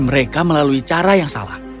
mereka melalui cara yang salah